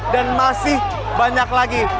dan masih banyak lagi